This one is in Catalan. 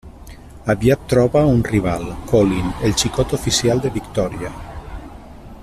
Aviat troba un rival, Colin, el xicot oficial de Victòria.